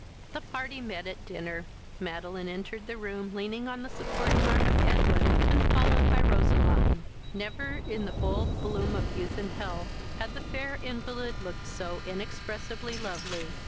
The party met at dinner. Madeline entered the room, leaning on the supporting arm of Edwin, and followed by Roseline. Never, in the full bloom of youth and health, had the fair invalid looked so inexpressibly lovely.